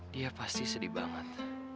dia pasti sedih banget